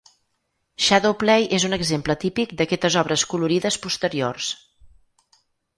"Shadow Play" és un exemple típic d'aquestes obres colorides posteriors.